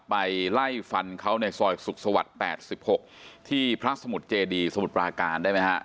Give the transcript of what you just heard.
ไปไล่ฟันเขาในซอยสุขสวรรค์๘๖ที่พระสมุทรเจดีสมุทรปราการได้ไหมฮะ